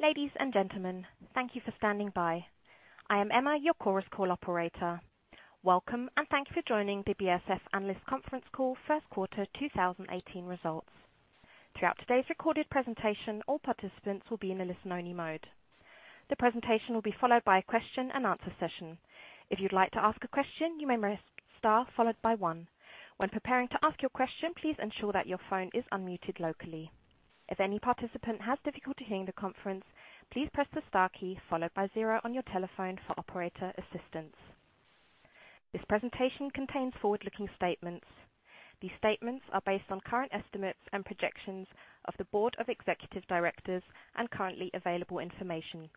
Ladies and gentlemen, thank you for standing by. I am Emma, your Chorus Call operator. Welcome, and thank you for joining the BASF Analyst Conference Call First Quarter 2018 Results. Throughout today's recorded presentation, all participants will be in a listen-only mode. The presentation will be followed by a question-and-answer session. If you'd like to ask a question, you may press star followed by one. When preparing to ask your question, please ensure that your phone is unmuted locally. If any participant has difficulty hearing the conference, please press the star key followed by zero on your telephone for operator assistance. This presentation contains forward-looking statements. These statements are based on current estimates and projections of the board of executive directors and currently available information.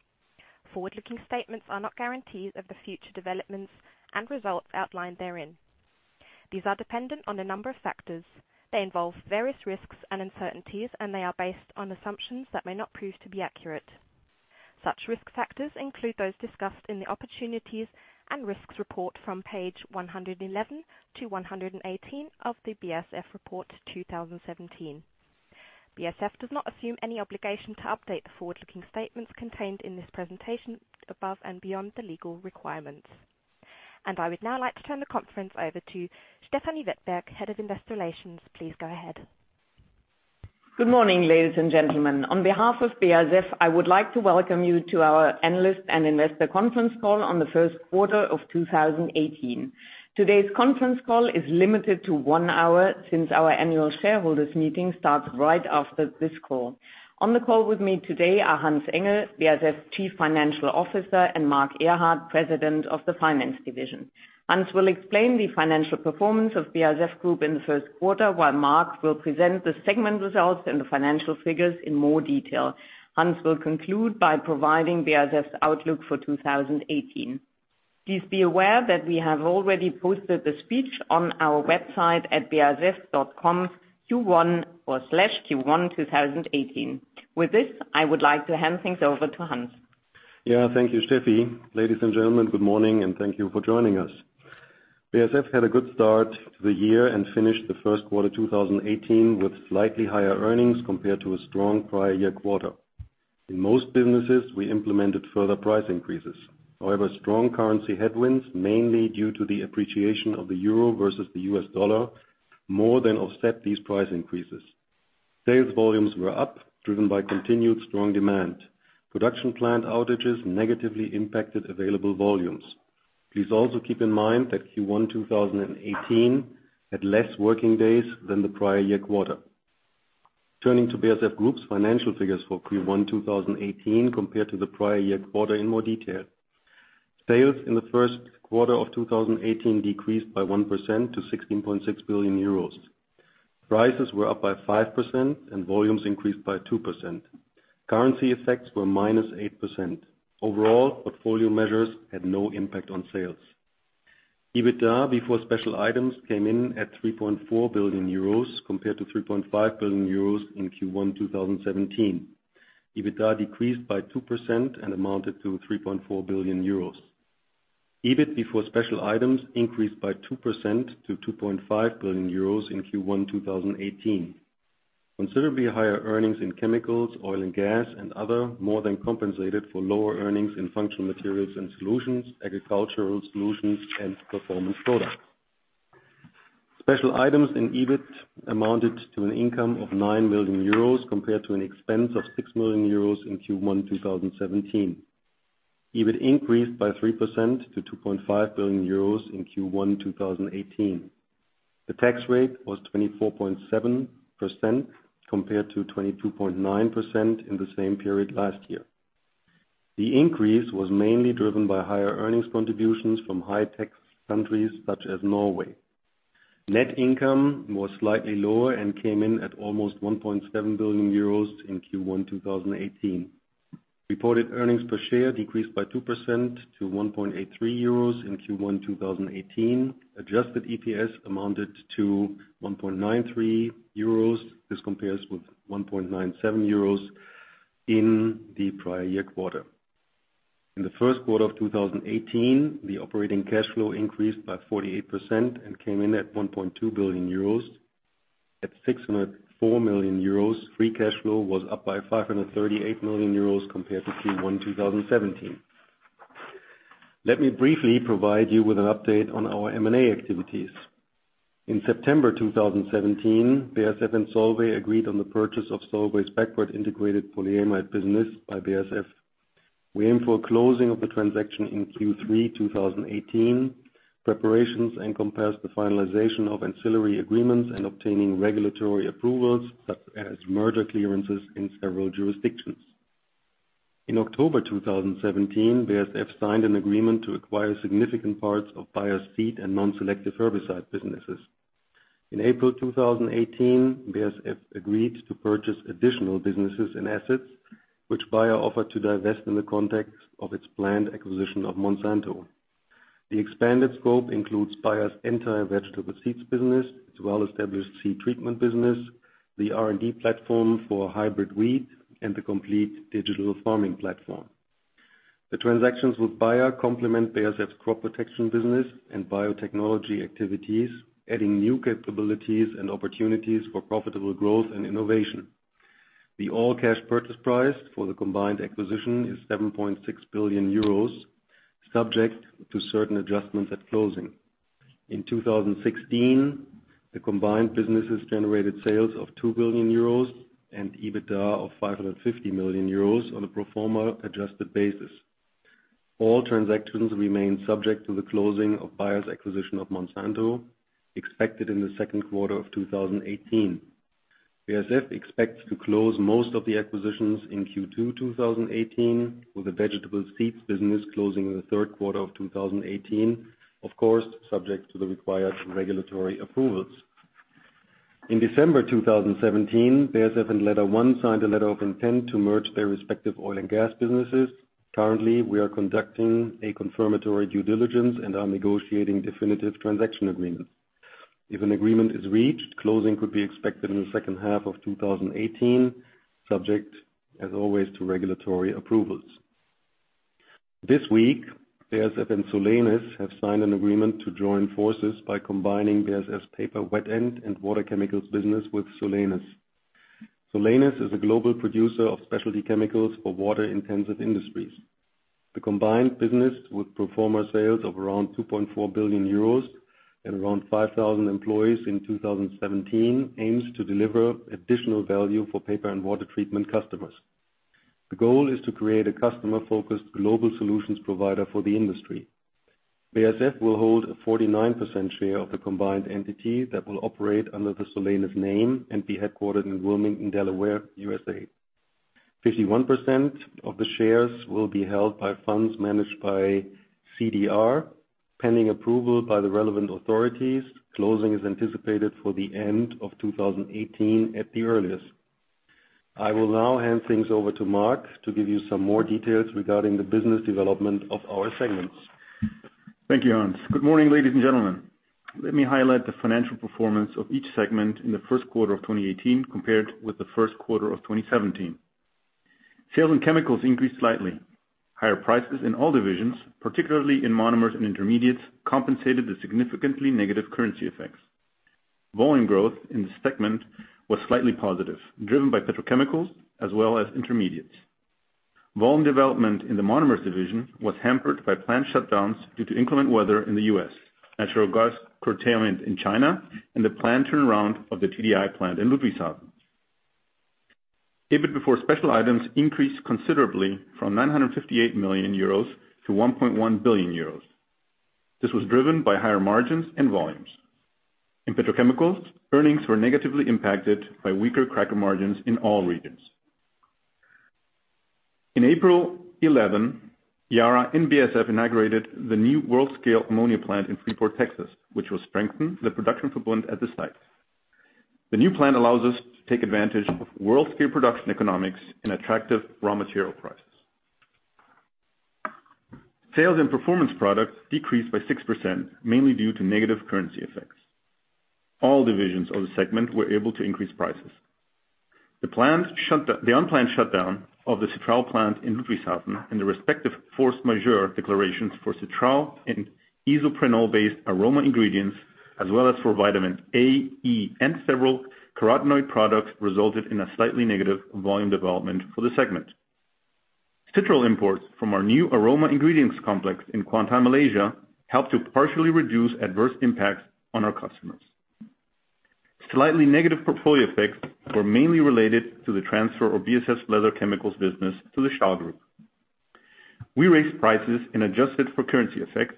Forward-looking statements are not guarantees of the future developments and results outlined therein. These are dependent on a number of factors. They involve various risks and uncertainties, and they are based on assumptions that may not prove to be accurate. Such risk factors include those discussed in the opportunities and risks report from page 111 to 118 of the BASF report 2017. BASF does not assume any obligation to update the forward-looking statements contained in this presentation above and beyond the legal requirements. I would now like to turn the conference over to Stefanie Wettberg, Head of Investor Relations. Please go ahead. Good morning, ladies and gentlemen. On behalf of BASF, I would like to welcome you to our analyst and investor conference call on the first quarter of 2018. Today's conference call is limited to one hour since our annual shareholders meeting starts right after this call. On the call with me today are Hans-Ulrich Engel, BASF's Chief Financial Officer, and Marc Ehrhardt, President of the Finance Division. Hans will explain the financial performance of BASF Group in the first quarter, while Marc will present the segment results and the financial figures in more detail. Hans will conclude by providing BASF's outlook for 2018. Please be aware that we have already posted the speech on our website at basf.com/q12018. With this, I would like to hand things over to Hans. Thank you, Stefanie. Ladies and gentlemen, good morning, and thank you for joining us. BASF had a good start to the year and finished the first quarter 2018 with slightly higher earnings compared to a strong prior year quarter. In most businesses, we implemented further price increases. However, strong currency headwinds, mainly due to the appreciation of the euro versus the US dollar, more than offset these price increases. Sales volumes were up, driven by continued strong demand. Production plant outages negatively impacted available volumes. Please also keep in mind that Q1 2018 had less working days than the prior year quarter. Turning to BASF Group's financial figures for Q1 2018 compared to the prior year quarter in more detail. Sales in the first quarter of 2018 decreased by 1% to 16.6 billion euros. Prices were up by 5% and volumes increased by 2%. Currency effects were -8%. Overall, portfolio measures had no impact on sales. EBITDA before special items came in at 3.4 billion euros compared to 3.5 billion euros in Q1 2017. EBITDA decreased by 2% and amounted to 3.4 billion euros. EBIT before special items increased by 2% to 2.5 billion euros in Q1 2018. Considerably higher earnings in Chemicals, Oil and Gas, and Other, more than compensated for lower earnings in Functional Materials and Solutions, Agricultural Solutions, and Performance Products. Special items in EBIT amounted to an income of 9 million euros compared to an expense of 6 million euros in Q1 2017. EBIT increased by 3% to 2.5 billion euros in Q1 2018. The tax rate was 24.7% compared to 22.9% in the same period last year. The increase was mainly driven by higher earnings contributions from high-tax countries such as Norway. Net income was slightly lower and came in at almost 1.7 billion euros in Q1 2018. Reported earnings per share decreased by 2% to 1.83 euros in Q1 2018. Adjusted EPS amounted to 1.93 euros. This compares with 1.97 euros in the prior year quarter. In the first quarter of 2018, the operating cash flow increased by 48% and came in at 1.2 billion euros. At 604 million euros, free cash flow was up by 538 million euros compared to Q1 2017. Let me briefly provide you with an update on our M&A activities. In September 2017, BASF and Solvay agreed on the purchase of Solvay's backward integrated polyamide business by BASF. We aim for a closing of the transaction in Q3 2018. Preparations encompass the finalization of ancillary agreements and obtaining regulatory approvals, such as merger clearances in several jurisdictions. In October 2017, BASF signed an agreement to acquire significant parts of Bayer seed and non-selective herbicide businesses. In April 2018, BASF agreed to purchase additional businesses and assets, which Bayer offered to divest in the context of its planned acquisition of Monsanto. The expanded scope includes Bayer's entire vegetable seeds business, its well-established seed treatment business, the R&D platform for hybrid wheat, and the complete digital farming platform. The transactions with Bayer complement BASF's crop protection business and biotechnology activities, adding new capabilities and opportunities for profitable growth and innovation. The all-cash purchase price for the combined acquisition is 7.6 billion euros, subject to certain adjustments at closing. In 2016, the combined businesses generated sales of 2 billion euros and EBITDA of 550 million euros on a pro forma adjusted basis. All transactions remain subject to the closing of Bayer's acquisition of Monsanto, expected in the second quarter of 2018. BASF expects to close most of the acquisitions in Q2 2018, with the vegetable seeds business closing in the third quarter of 2018, of course, subject to the required regulatory approvals. In December 2017, BASF and LetterOne signed a letter of intent to merge their respective oil and gas businesses. Currently, we are conducting a confirmatory due diligence and are negotiating definitive transaction agreements. If an agreement is reached, closing could be expected in the second half of 2018, subject, as always, to regulatory approvals. This week, BASF and Solenis have signed an agreement to join forces by combining BASF's paper wet end and water chemicals business with Solenis. Solenis is a global producer of specialty chemicals for water-intensive industries. The combined business, with pro forma sales of around 2.4 billion euros and around 5,000 employees in 2017, aims to deliver additional value for paper and water treatment customers. The goal is to create a customer-focused global solutions provider for the industry. BASF will hold a 49% share of the combined entity that will operate under the Solenis name and be headquartered in Wilmington, Delaware, U.S.A. 51% of the shares will be held by funds managed by CDR, pending approval by the relevant authorities. Closing is anticipated for the end of 2018 at the earliest. I will now hand things over to Marc to give you some more details regarding the business development of our segments. Thank you, Hans. Good morning, ladies and gentlemen. Let me highlight the financial performance of each segment in the first quarter of 2018 compared with the first quarter of 2017. Sales in Chemicals increased slightly. Higher prices in all divisions, particularly in monomers and intermediates, compensated the significantly negative currency effects. Volume growth in this segment was slightly positive, driven by petrochemicals as well as intermediates. Volume development in the monomers division was hampered by plant shutdowns due to inclement weather in the U.S., natural gas curtailment in China, and the plant turnaround of the TDI plant in Ludwigshafen. EBIT before special items increased considerably from 958 million euros to 1.1 billion euros. This was driven by higher margins and volumes. In petrochemicals, earnings were negatively impacted by weaker cracker margins in all regions. In April 11, Yara and BASF inaugurated the new world-scale ammonia plant in Freeport, Texas, which will strengthen the production footprint at the site. The new plant allows us to take advantage of world-scale production economics and attractive raw material prices. Sales in Performance Products decreased by 6%, mainly due to negative currency effects. All divisions of the segment were able to increase prices. The unplanned shutdown of the citral plant in Ludwigshafen and the respective force majeure declarations for citral and isoprene-based aroma ingredients, as well as for vitamin A, E, and several carotenoid products, resulted in a slightly negative volume development for the segment. Citral imports from our new aroma ingredients complex in Kuantan, Malaysia, helped to partially reduce adverse impacts on our customers. Slightly negative portfolio effects were mainly related to the transfer of BASF's leather chemicals business to the Stahl Group. We raised prices and adjusted for currency effect,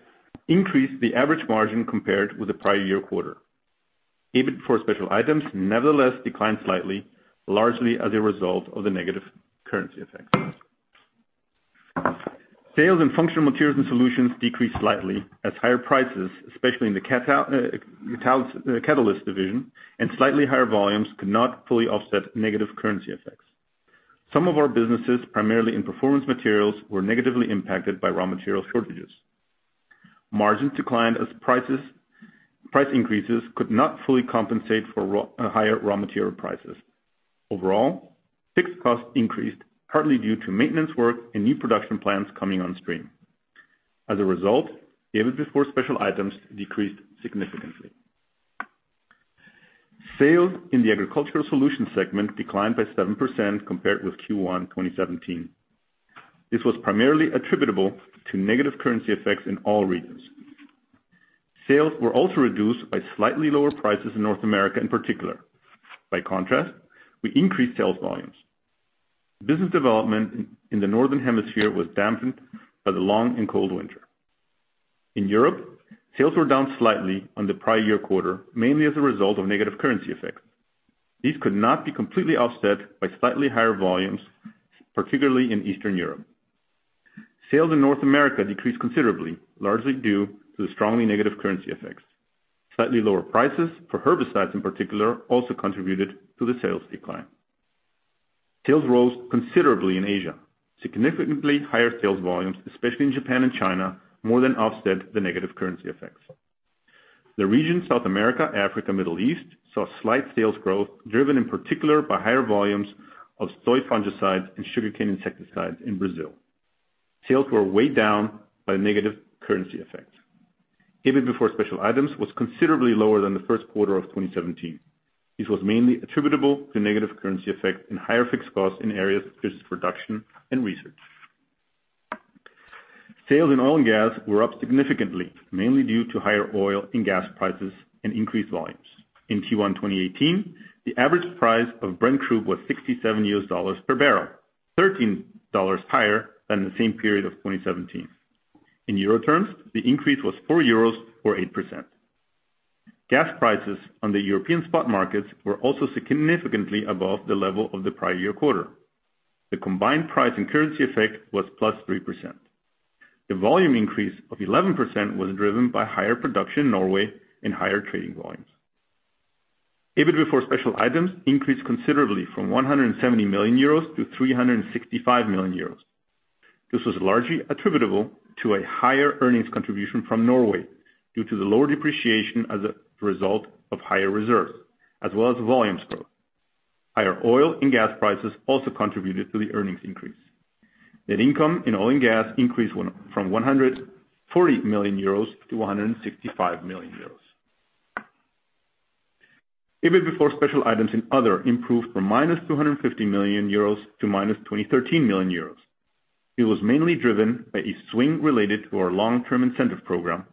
increased the average margin compared with the prior year quarter. EBIT before special items, nevertheless, declined slightly, largely as a result of the negative currency effects. Sales in Functional Materials and Solutions decreased slightly as higher prices, especially in the Catalyst division, and slightly higher volumes could not fully offset negative currency effects. Some of our businesses, primarily in Performance Materials, were negatively impacted by raw material shortages. Margins declined as price increases could not fully compensate for higher raw material prices. Overall, fixed costs increased, partly due to maintenance work and new production plants coming on stream. As a result, EBIT before special items decreased significantly. Sales in the Agricultural Solutions segment declined by 7% compared with Q1 2017. This was primarily attributable to negative currency effects in all regions. Sales were also reduced by slightly lower prices in North America in particular. By contrast, we increased sales volumes. Business development in the Northern Hemisphere was dampened by the long and cold winter. In Europe, sales were down slightly on the prior year quarter, mainly as a result of negative currency effects. These could not be completely offset by slightly higher volumes, particularly in Eastern Europe. Sales in North America decreased considerably, largely due to the strongly negative currency effects. Slightly lower prices for herbicides in particular also contributed to the sales decline. Sales rose considerably in Asia. Significantly higher sales volumes, especially in Japan and China, more than offset the negative currency effects. The region South America, Africa, Middle East, saw slight sales growth driven in particular by higher volumes of soy fungicides and sugarcane insecticides in Brazil. Sales were way down by a negative currency effect. EBIT before special items was considerably lower than the first quarter of 2017. This was mainly attributable to negative currency effect and higher fixed costs in areas such as production and research. Sales in oil and gas were up significantly, mainly due to higher oil and gas prices and increased volumes. In Q1 2018, the average price of Brent Crude was $67 per barrel, $13 higher than the same period of 2017. In Euro terms, the increase was 4 euros or 8%. Gas prices on the European spot markets were also significantly above the level of the prior year quarter. The combined price and currency effect was plus 3%. The volume increase of 11% was driven by higher production in Norway and higher trading volumes. EBIT before special items increased considerably from 170 million euros to 365 million euros. This was largely attributable to a higher earnings contribution from Norway due to the lower depreciation as a result of higher reserves, as well as volumes growth. Higher oil and gas prices also contributed to the earnings increase. Net income in oil and gas increased from 140 million euros to 165 million euros. EBIT before special items in other improved from minus 250 million euros to minus 213 million euros. It was mainly driven by a swing related to our long-term incentive program,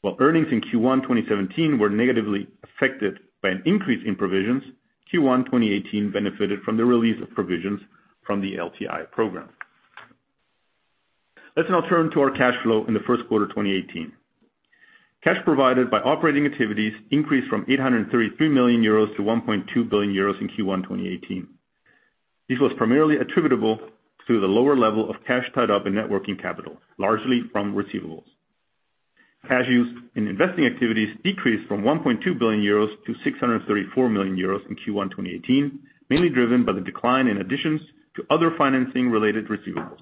while earnings in Q1 2017 were negatively affected by an increase in provisions, Q1 2018 benefited from the release of provisions from the LTI program. Let's now turn to our cash flow in the first quarter 2018. Cash provided by operating activities increased from 833 million euros to 1.2 billion euros in Q1 2018. This was primarily attributable to the lower level of cash tied up in net working capital, largely from receivables. Cash used in investing activities decreased from 1.2 billion euros to 634 million euros in Q1 2018, mainly driven by the decline in additions to other financing-related receivables.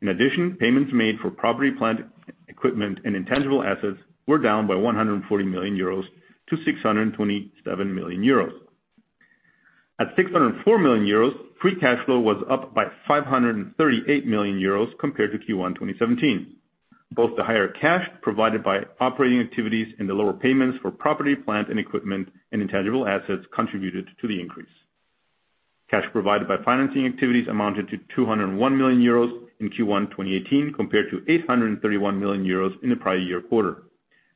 In addition, payments made for property, plant equipment and intangible assets were down by 140 million euros to 627 million euros. At 604 million euros, free cash flow was up by 538 million euros compared to Q1 2017. Both the higher cash provided by operating activities and the lower payments for property, plant and equipment and intangible assets contributed to the increase. Cash provided by financing activities amounted to 201 million euros in Q1 2018 compared to 831 million euros in the prior year quarter.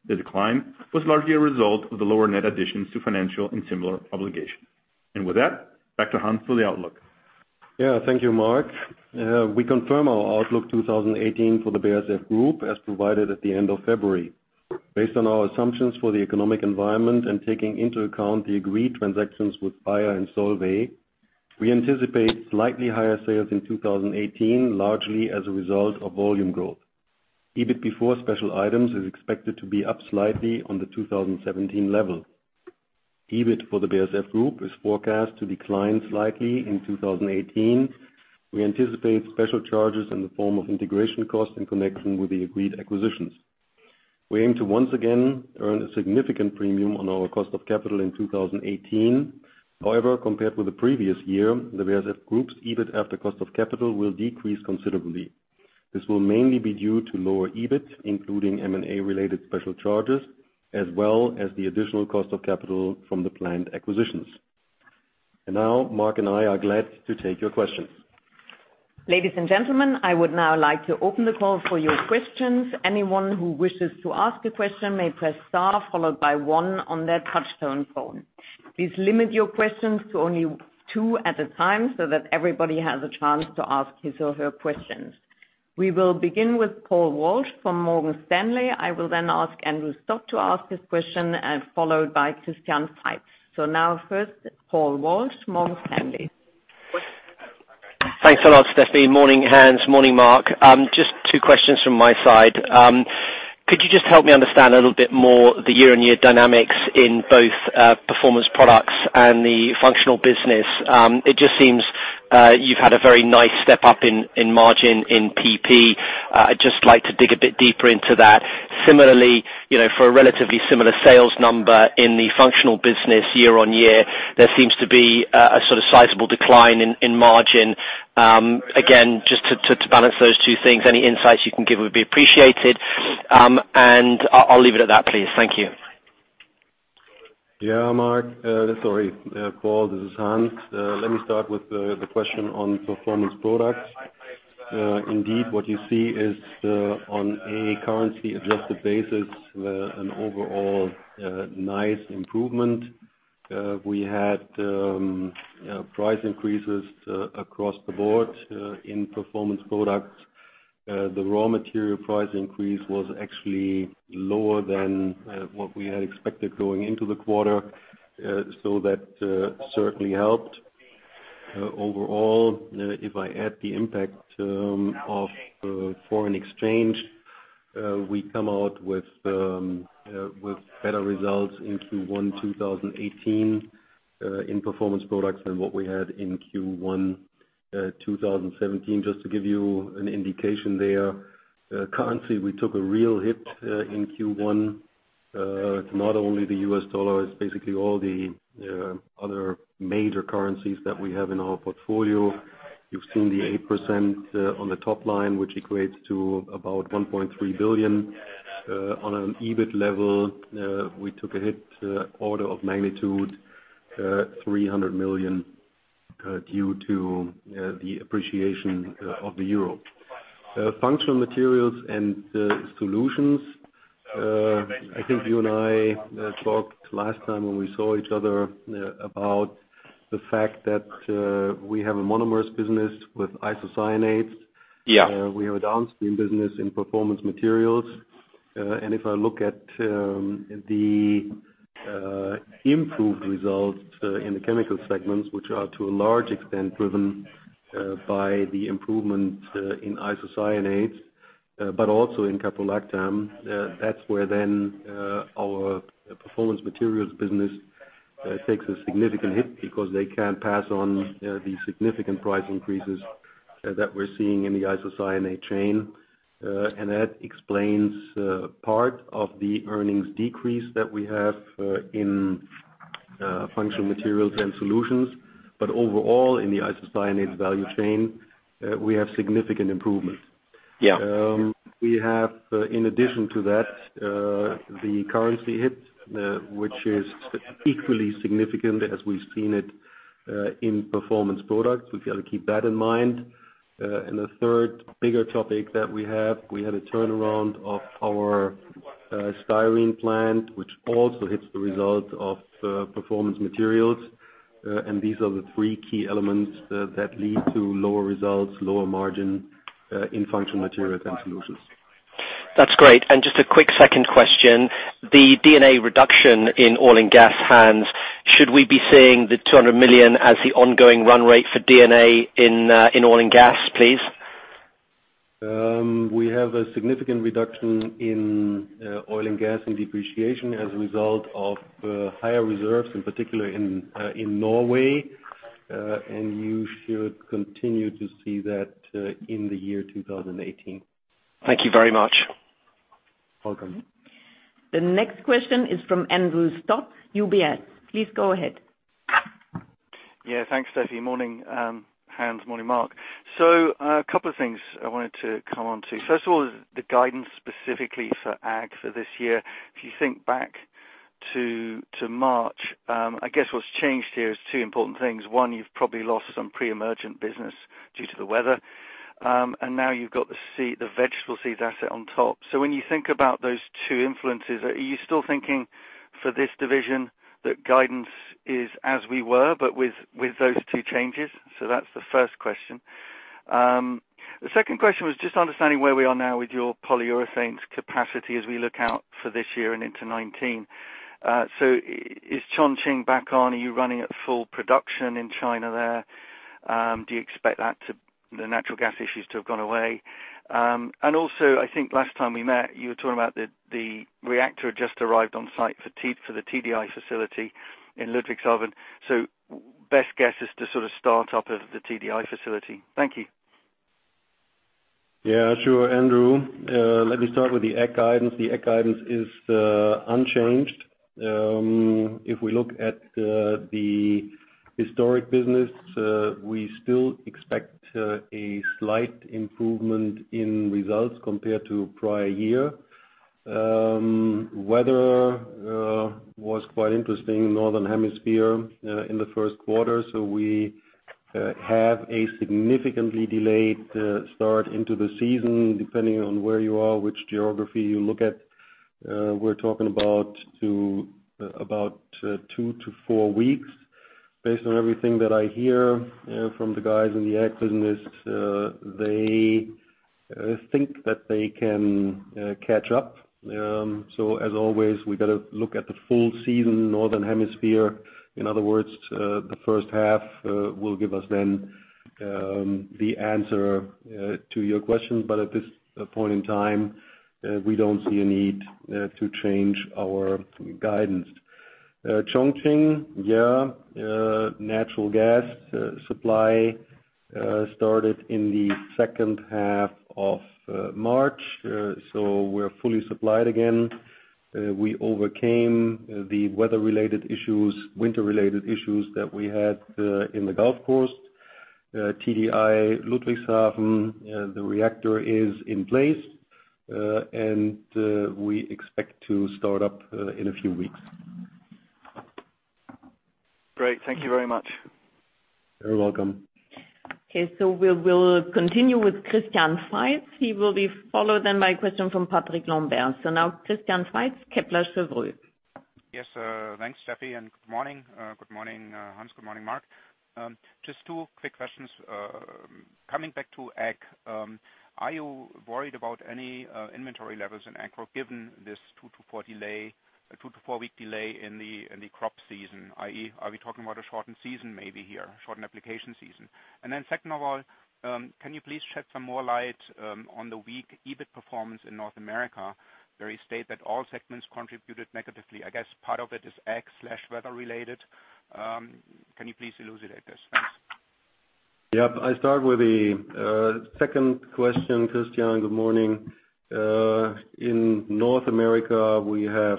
The decline was largely a result of the lower net additions to financial and similar obligations. With that, back to Hans for the outlook. Yeah, thank you, Marc. We confirm our outlook 2018 for the BASF Group as provided at the end of February. Based on our assumptions for the economic environment and taking into account the agreed transactions with Bayer and Solvay, we anticipate slightly higher sales in 2018, largely as a result of volume growth. EBIT before special items is expected to be up slightly on the 2017 level. EBIT for the BASF Group is forecast to decline slightly in 2018. We anticipate special charges in the form of integration costs in connection with the agreed acquisitions. We aim to once again earn a significant premium on our cost of capital in 2018. However, compared with the previous year, the BASF Group's EBIT after cost of capital will decrease considerably. This will mainly be due to lower EBIT, including M&A related special charges, as well as the additional cost of capital from the planned acquisitions. Now, Marc and I are glad to take your questions. Ladies and gentlemen, I would now like to open the call for your questions. Anyone who wishes to ask a question may press star followed by one on their touch-tone phone. Please limit your questions to only two at a time so that everybody has a chance to ask his or her questions. We will begin with Paul Walsh from Morgan Stanley. I will then ask Andrew Stott to ask his question and followed by Christian Faitz. Now first, Paul Walsh, Morgan Stanley. Thanks a lot, Stefanie. Morning, Hans. Morning, Marc. Just two questions from my side. Could you just help me understand a little bit more the year-on-year dynamics in both Performance Products and the functional business? It just seems you've had a very nice step-up in margin in PP. I'd just like to dig a bit deeper into that. Similarly, for a relatively similar sales number in the functional business year-on-year, there seems to be a sort of sizable decline in margin. Again, just to balance those two things, any insights you can give would be appreciated. I'll leave it at that, please. Thank you. Yeah. Mark. Sorry, Paul, this is Hans. Let me start with the question on Performance Products. Indeed, what you see is on a currency-adjusted basis, an overall nice improvement. We had price increases across the board in Performance Products. The raw material price increase was actually lower than what we had expected going into the quarter, that certainly helped. Overall, if I add the impact of foreign exchange, we come out with better results in Q1 2018 in Performance Products than what we had in Q1 2017, just to give you an indication there. Currency, we took a real hit in Q1. It's not only the US dollar, it's basically all the other major currencies that we have in our portfolio. You've seen the 8% on the top line, which equates to about 1.3 billion. On an EBIT level, we took a hit order of magnitude 300 million due to the appreciation of the euro. Functional Materials and Solutions. I think you and I talked last time when we saw each other about the fact that we have a monomers business with isocyanates. Yeah. We have a downstream business in Performance Materials. If I look at the improved results in the chemical segments, which are to a large extent driven by the improvement in isocyanates, but also in caprolactam, that's where our Performance Materials business takes a significant hit because they can't pass on the significant price increases that we're seeing in the isocyanate chain. That explains part of the earnings decrease that we have in Functional Materials and Solutions. Overall, in the isocyanates value chain, we have significant improvements. Yeah. We have, in addition to that, the currency hit, which is equally significant as we've seen it in Performance Products. We've got to keep that in mind. The third bigger topic that we have, we had a turnaround of our styrene plant, which also hits the results of Performance Materials. These are the three key elements that lead to lower results, lower margin in Functional Materials and Solutions. That's great. Just a quick second question. The D&A reduction in oil and gas, Hans, should we be seeing the 200 million as the ongoing run rate for D&A in oil and gas, please? We have a significant reduction in oil and gas and depreciation as a result of higher reserves, in particular in Norway. You should continue to see that in the year 2018. Thank you very much. Welcome. The next question is from Andrew Stott, UBS. Please go ahead. Thanks, Stefanie. Morning, Hans-Ulrich. Morning, Marc. A couple of things I wanted to come on to. First of all, the guidance specifically for Ag for this year. If you think back to March, I guess what's changed here is two important things. One, you've probably lost some pre-emergent business due to the weather, and now you've got the vegetable seeds asset on top. When you think about those two influences, are you still thinking for this division that guidance is as we were, but with those two changes? That's the first question. The second question was just understanding where we are now with your polyurethanes capacity as we look out for this year and into 2019. Is Chongqing back on? Are you running at full production in China there? Do you expect the natural gas issues to have gone away? Also, I think last time we met, you were talking about the reactor had just arrived on site for the TDI facility in Ludwigshafen. Best guess as to sort of start up of the TDI facility. Thank you. Sure, Andrew. Let me start with the Ag guidance. The Ag guidance is unchanged. If we look at the historic business, we still expect a slight improvement in results compared to prior year. Weather was quite interesting in Northern Hemisphere in the first quarter. We have a significantly delayed start into the season, depending on where you are, which geography you look at. We're talking about two to four weeks. Based on everything that I hear from the guys in the Ag business, they think that they can catch up. As always, we've got to look at the full season Northern Hemisphere. In other words, the first half will give us then the answer to your question. At this point in time, we don't see a need to change our guidance. Chongqing, natural gas supply started in the second half of March. We're fully supplied again. We overcame the weather-related issues, winter-related issues that we had in the Gulf Coast. TDI Ludwigshafen, the reactor is in place, and we expect to start up in a few weeks. Great. Thank you very much. You're welcome. We will continue with Christian Faitz. He will be followed then by a question from Patrick Lambert. Now Christian Faitz, Kepler Cheuvreux. Thanks, Steffi, and good morning. Good morning, Hans. Good morning, Marc. Just two quick questions. Coming back to ag, are you worried about any inventory levels in ag, given this two to four week delay in the crop season? I.e., are we talking about a shortened season maybe here, shortened application season? Second of all, can you please shed some more light on the weak EBIT performance in North America, where you state that all segments contributed negatively? I guess part of it is ag/weather-related. Can you please elucidate this? Thanks. Yep. I start with the second question. Christian, good morning. In North America, we have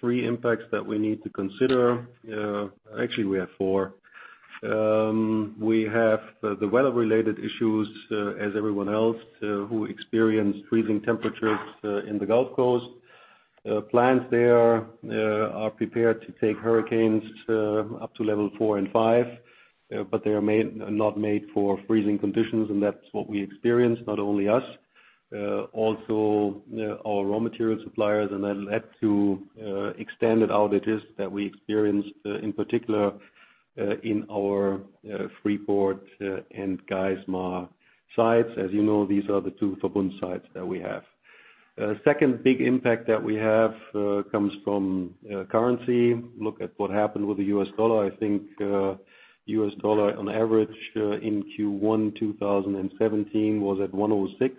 three impacts that we need to consider. Actually, we have four. We have the weather-related issues as everyone else who experienced freezing temperatures in the Gulf Coast. Plants there are prepared to take hurricanes up to level 4 and 5, but they are not made for freezing conditions, and that's what we experienced. Not only us, also our raw material suppliers, and that led to extended outages that we experienced, in particular in our Freeport and Geismar sites. As you know, these are the two Verbund sites that we have. Second big impact that we have comes from currency. Look at what happened with the U.S. dollar. I think U.S. dollar on average in Q1 2017 was at 106,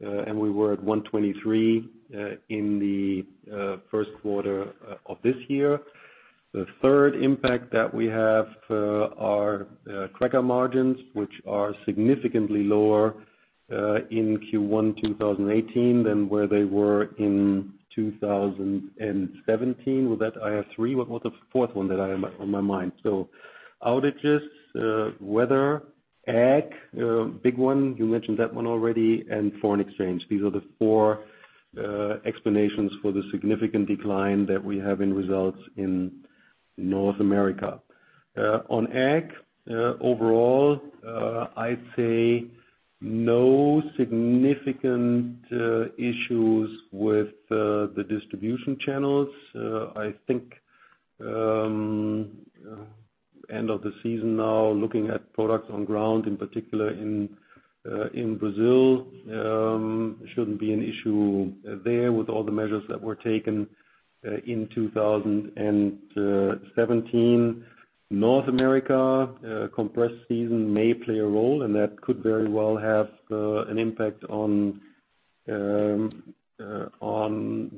and we were at 123 in the first quarter of this year. The third impact that we have are cracker margins, which are significantly lower in Q1 2018 than where they were in 2017. With that, I have three. What was the fourth one that on my mind? Outages, weather, ag, big one, you mentioned that one already, and foreign exchange. These are the four explanations for the significant decline that we have in results in North America. On ag, overall, I'd say no significant issues with the distribution channels. I think end of the season now, looking at products on ground, in particular in Brazil, shouldn't be an issue there with all the measures that were taken in 2017. North America compressed season may play a role, and that could very well have an impact on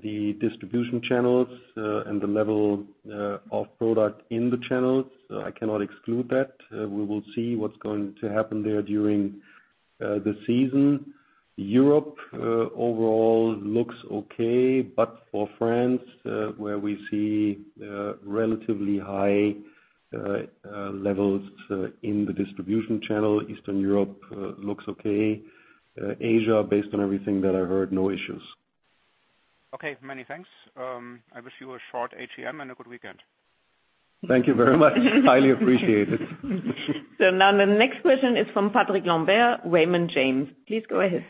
the distribution channels and the level of product in the channels. I cannot exclude that. We will see what's going to happen there during the season. Europe overall looks okay, but for France, where we see relatively high levels in the distribution channel. Eastern Europe looks okay. Asia, based on everything that I heard, no issues. Okay, many thanks. I wish you a short AGM and a good weekend. Thank you very much. Highly appreciate it. Now the next question is from Patrick Lambert, Raymond James. Please go ahead.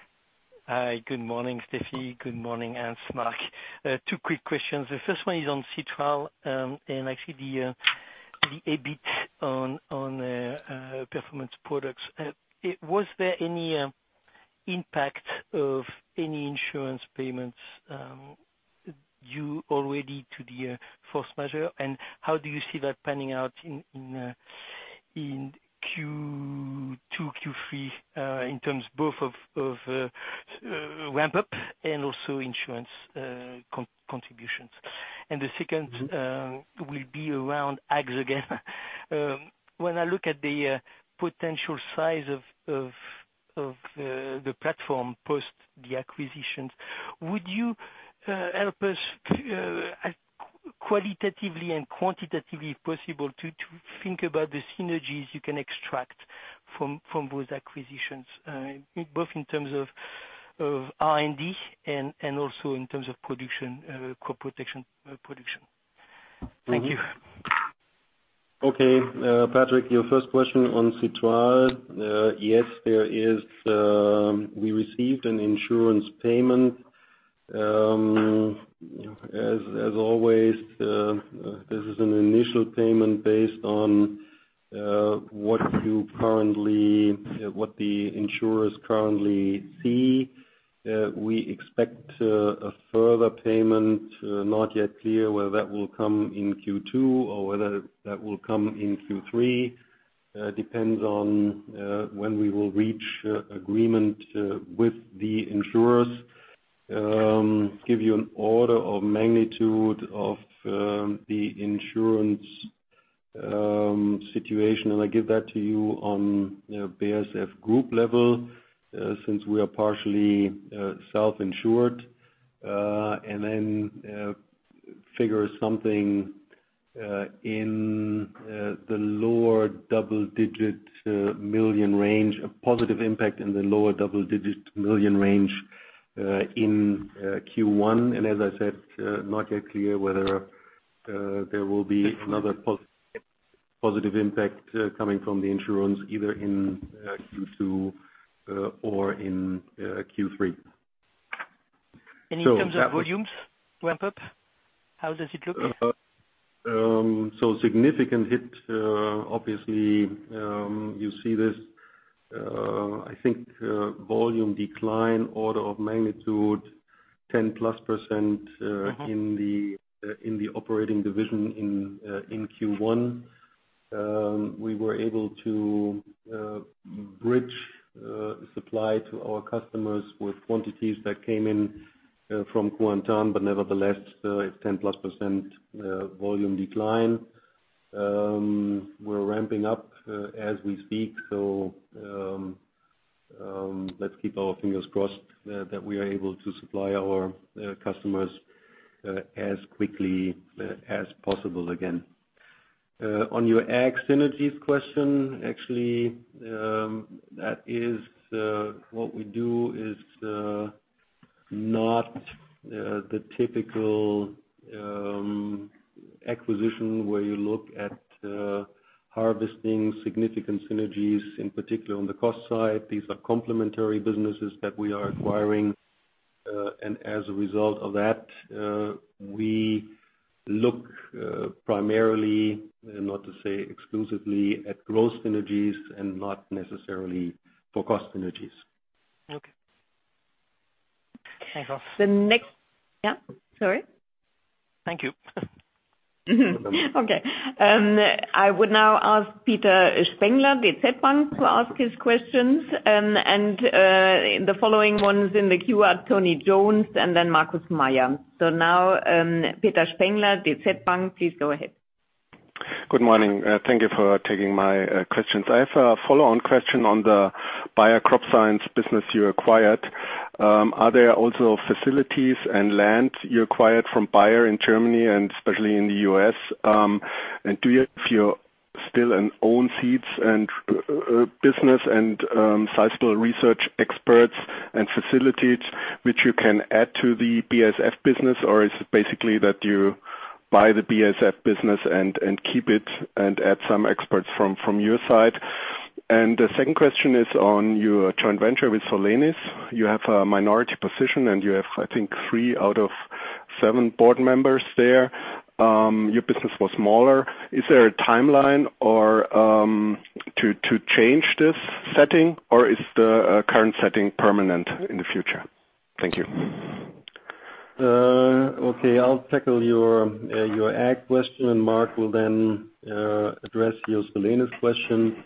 Hi, good morning, Steffi. Good morning, Hans, Marc. Two quick questions. The first one is on citral. Actually the EBIT on performance products. Was there any impact of any insurance payments due already to the force majeure? How do you see that panning out in Q2, Q3, in terms both of ramp up and also insurance contributions? The second will be around ags again. When I look at the potential size of the platform post the acquisitions, would you help us qualitatively and quantitatively if possible to think about the synergies you can extract from those acquisitions, both in terms of R&D and also in terms of production, crop protection production. Thank you. Okay. Patrick, your first question on citral. Yes, we received an insurance payment. As always, this is an initial payment based on what the insurers currently see. We expect a further payment, not yet clear whether that will come in Q2 or whether that will come in Q3. Depends on when we will reach agreement with the insurers. Give you an order of magnitude of the insurance situation, and I give that to you on BASF Group level, since we are partially self-insured, and then figure something in the lower double-digit million range, a positive impact in the lower double-digit million range in Q1. As I said, not yet clear whether there will be another positive impact coming from the insurance either in Q2 or in Q3. In terms of volumes ramp up, how does it look? Significant hit, obviously, you see this, I think volume decline order of magnitude 10-plus % in the operating division in Q1. We were able to bridge supply to our customers with quantities that came in from Kuantan, but nevertheless, it is 10-plus % volume decline. We are ramping up as we speak, so let's keep our fingers crossed that we are able to supply our customers as quickly as possible again. On your ag synergies question, actually, what we do is not the typical acquisition where you look at harvesting significant synergies, in particular on the cost side. These are complementary businesses that we are acquiring. As a result of that, we look primarily, not to say exclusively, at growth synergies and not necessarily for cost synergies. Okay. Thanks, Rolf. Yeah. Sorry. Thank you. Okay. I would now ask Peter Spengler, DZ Bank, to ask his questions. The following ones in the queue are Tony Jones and then Markus Mayer. Now, Peter Spengler, DZ Bank, please go ahead. Good morning. Thank you for taking my questions. I have a follow-on question on the Bayer CropScience business you acquired. Are there also facilities and land you acquired from Bayer in Germany and especially in the U.S.? Do you feel still an own seeds business and sizable research experts and facilities which you can add to the BASF business? Is it basically that you buy the BASF business and keep it and add some experts from your side? The second question is on your joint venture with Solenis. You have a minority position, and you have, I think, three out of seven board members there. Your business was smaller. Is there a timeline to change this setting, or is the current setting permanent in the future? Thank you. Okay, I'll tackle your ag question, and Marc will then address your Solenis question.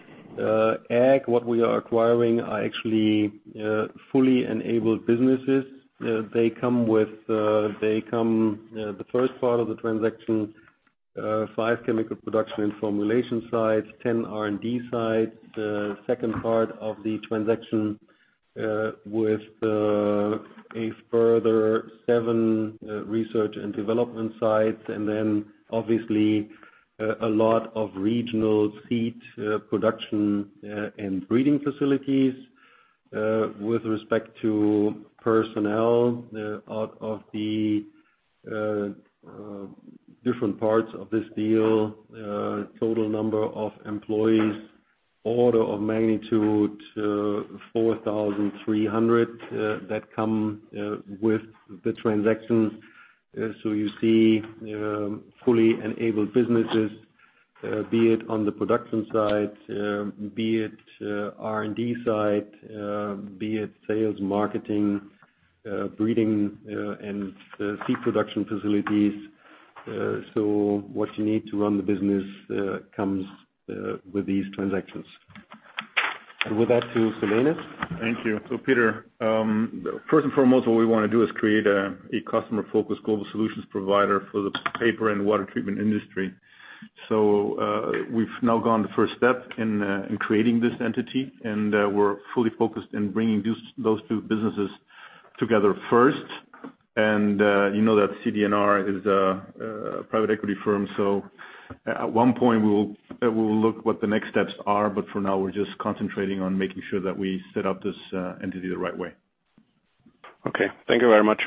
Ag, what we are acquiring are actually fully enabled businesses. The first part of the transaction, five chemical production and formulation sites, 10 R&D sites. The second part of the transaction with a further seven research and development sites, and then obviously a lot of regional seed production and breeding facilities. With respect to personnel, out of the different parts of this deal, total number of employees, order of magnitude 4,300 that come with the transaction. You see fully enabled businesses, be it on the production side, be it R&D side, be it sales, marketing, breeding, and seed production facilities. What you need to run the business comes with these transactions. With that to Solenis. Thank you. Peter, first and foremost, what we want to do is create a customer-focused global solutions provider for the paper and water treatment industry. We've now gone the first step in creating this entity, and we're fully focused in bringing those two businesses together first. You know that CD&R is a private equity firm, at one point we will look what the next steps are. For now, we're just concentrating on making sure that we set up this entity the right way. Okay. Thank you very much.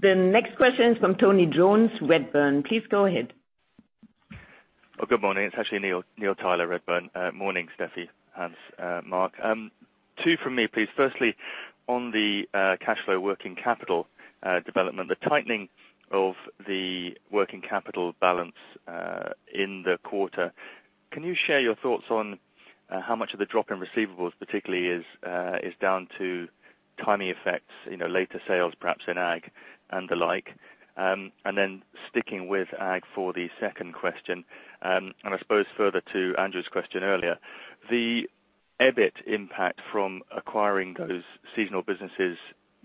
The next question is from Tony Jones, Redburn. Please go ahead. Good morning. It's actually Neil Tyler, Redburn. Morning, Steffi, Hans, Mark. Two from me, please. Firstly, on the cash flow working capital development, the tightening of the working capital balance in the quarter, can you share your thoughts on how much of the drop in receivables particularly is down to timing effects, later sales perhaps in ag and the like? Sticking with ag for the second question, I suppose further to Andrew's question earlier, the EBIT impact from acquiring those seasonal businesses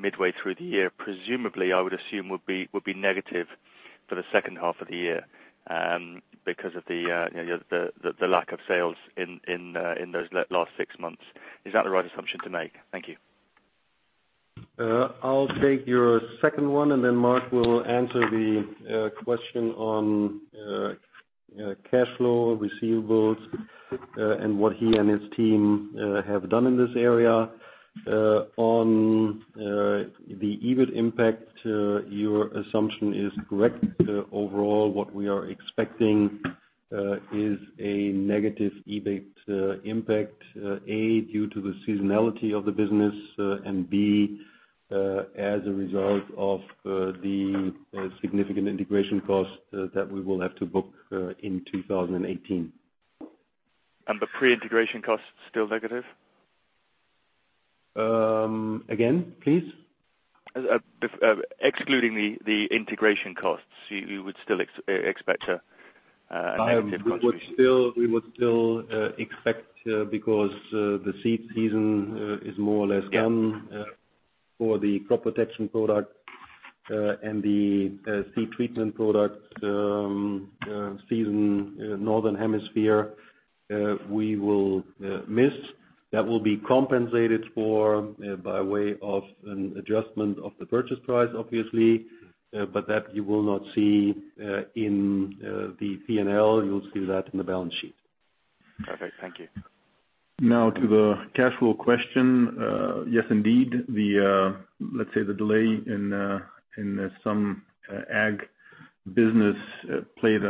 midway through the year, presumably, I would assume, would be negative for the second half of the year because of the lack of sales in those last six months. Is that the right assumption to make? Thank you. I'll take your second one, and then Marc will answer the question on cash flow, receivables, and what he and his team have done in this area. On the EBIT impact, your assumption is correct. Overall, what we are expecting is a negative EBIT impact, A, due to the seasonality of the business, and B, as a result of the significant integration costs that we will have to book in 2018. The pre-integration cost is still negative? Again, please. Excluding the integration costs, you would still expect a negative contribution? We would still expect because the seed season is more or less done for the crop protection product and the seed treatment product season Northern Hemisphere, we will miss. That will be compensated for by way of an adjustment of the purchase price, obviously. That you will not see in the P&L. You'll see that in the balance sheet. Perfect. Thank you. Now to the cash flow question. Yes, indeed. Let's say the delay in some ag business played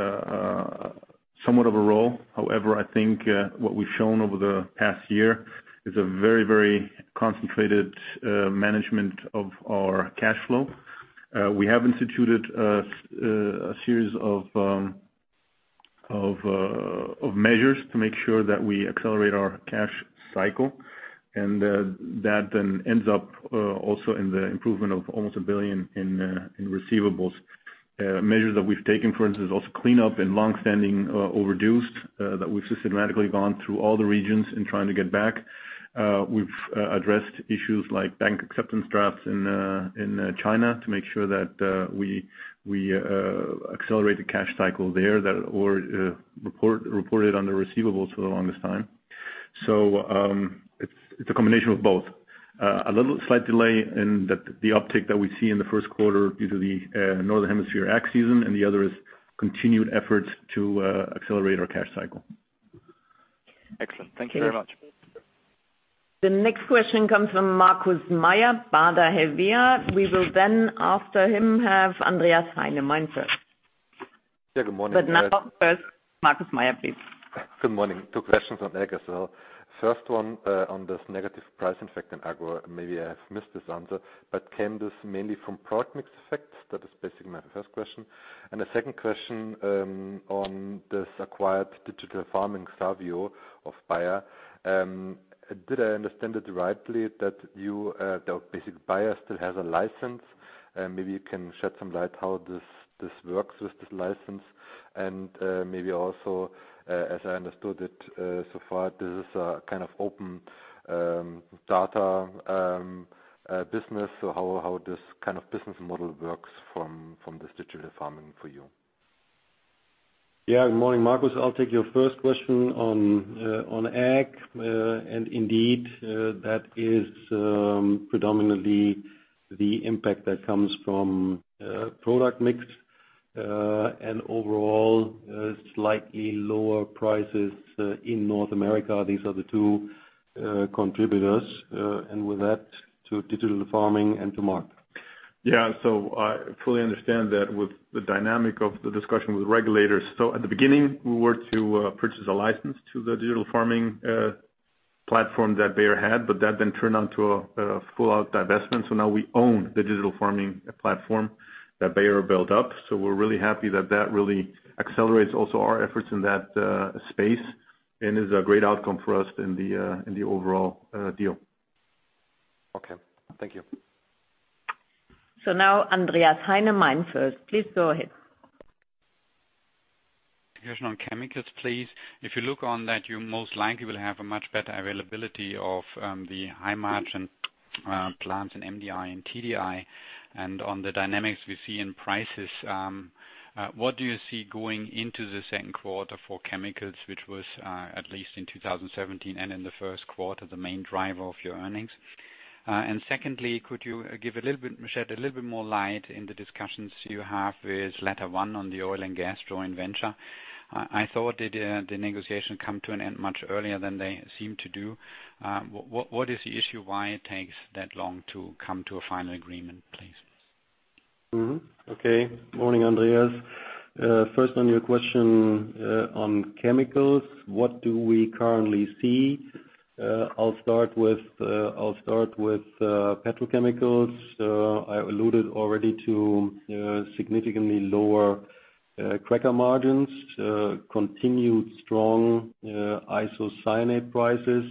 somewhat of a role. However, I think what we've shown over the past year is a very concentrated management of our cash flow. We have instituted a series of measures to make sure that we accelerate our cash cycle, and that then ends up also in the improvement of almost 1 billion in receivables. Measures that we've taken, for instance, also clean up in long-standing overdue, that we've systematically gone through all the regions in trying to get back. We've addressed issues like bank acceptance drafts in China to make sure that we accelerate the cash cycle there, that all reported on the receivables for the longest time. It's a combination of both. A little slight delay in the uptick that we see in the first quarter due to the Northern Hemisphere ag season, and the other is continued efforts to accelerate our cash cycle. Excellent. Thank you very much. The next question comes from Markus Mayer, Baader Helvea. We will after him have Andreas Heine, MainFirst. Yeah. Good morning. Now first, Markus Mayer, please. Good morning. Two questions on ag as well. First one, on this negative price effect in ag. Maybe I have missed this answer, but came this mainly from product mix effects? That is basically my first question. The second question on this acquired digital farming xarvio of Bayer. Did I understand it rightly that Bayer still has a license? You can shed some light how this works with this license and also, as I understood it so far, this is a kind of open data business. How this kind of business model works from this digital farming for you? Yeah. Good morning, Markus. I'll take your first question on ag. Indeed, that is predominantly the impact that comes from product mix, and overall slightly lower prices in North America. These are the two contributors, and with that to digital farming and to Markus. Yeah. I fully understand that with the dynamic of the discussion with regulators. At the beginning, we were to purchase a license to the digital farming platform that Bayer had, but that then turned onto a full-out divestment. Now we own the digital farming platform that Bayer built up. We're really happy that really accelerates also our efforts in that space and is a great outcome for us in the overall deal. Okay. Thank you. Now Andreas Heine, MainFirst, please go ahead. Question on chemicals, please. If you look on that, you most likely will have a much better availability of the high margin plants in MDI and TDI. On the dynamics we see in prices, what do you see going into the second quarter for chemicals, which was, at least in 2017 and in the first quarter, the main driver of your earnings? Secondly, could you shed a little bit more light in the discussions you have with LetterOne on the oil and gas joint venture? I thought that the negotiation come to an end much earlier than they seem to do. What is the issue why it takes that long to come to a final agreement, please? Okay. Morning, Andreas. First on your question on chemicals, what do we currently see? I'll start with petrochemicals. I alluded already to significantly lower cracker margins, continued strong isocyanate prices.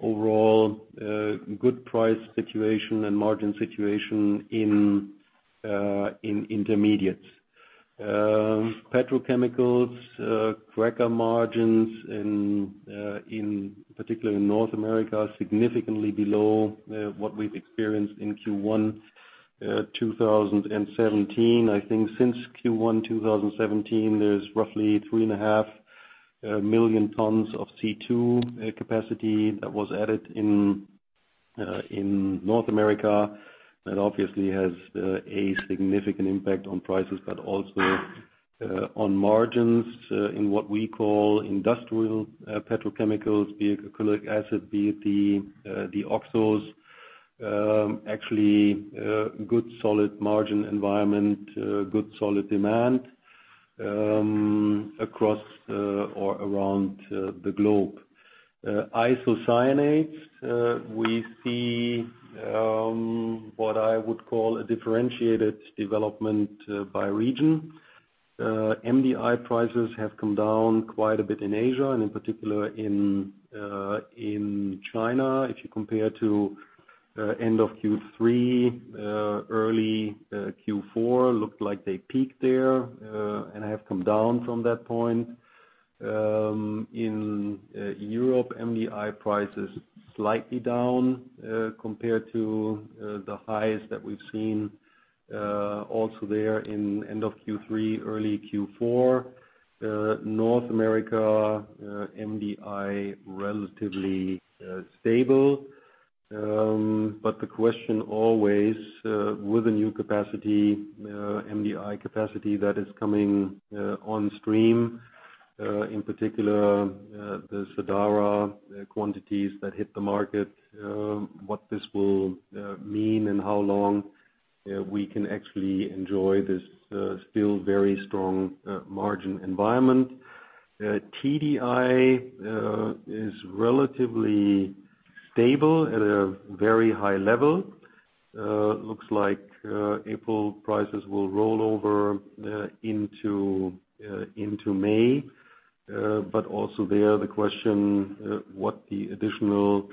Overall, good price situation and margin situation in intermediates. Petrochemicals, cracker margins in particular in North America, are significantly below what we've experienced in Q1 2017. I think since Q1 2017, there's roughly three and a half million tons of C2 capacity that was added in North America. That obviously has a significant impact on prices, but also on margins in what we call industrial petrochemicals, be it acrylic acid, be it the oxos. Actually, good solid margin environment, good solid demand across or around the globe. Isocyanates, we see what I would call a differentiated development by region. MDI prices have come down quite a bit in Asia, and in particular in China. If you compare to end of Q3, early Q4, looked like they peaked there, and have come down from that point. In Europe, MDI price is slightly down, compared to the highs that we've seen, also there in end of Q3, early Q4. North America MDI, relatively stable. The question always, with the new capacity, MDI capacity that is coming on stream, in particular, the Sadara quantities that hit the market, what this will mean and how long we can actually enjoy this still very strong margin environment. TDI is relatively stable at a very high level. Looks like April prices will roll over into May. Also there, the question, what the additional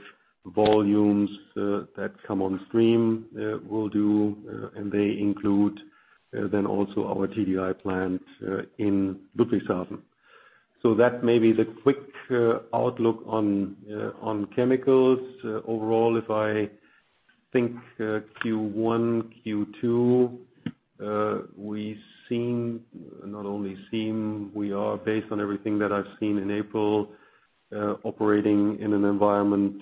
volumes that come on stream will do, and they include then also our TDI plant in Ludwigshafen. That may be the quick outlook on chemicals. Overall, if I think Q1, Q2, we seem, not only seem, we are based on everything that I've seen in April, operating in an environment,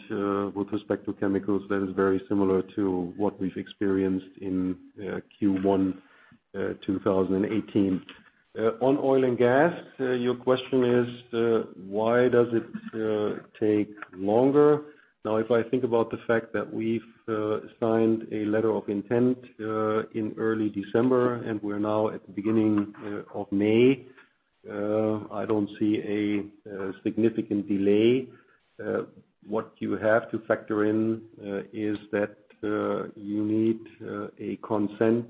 with respect to chemicals that is very similar to what we've experienced in Q1 2018. On oil and gas, your question is, why does it take longer? If I think about the fact that we've signed a letter of intent, in early December, and we're now at the beginning of May, I don't see a significant delay. What you have to factor in is that you need a consent